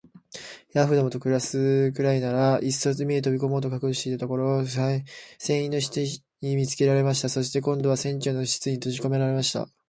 ヤーフどもと暮すくらいなら、いっそ海へ飛び込もうと覚悟しているところを、船員の一人に見つけられました。そして、今度は船長室にとじこめられました。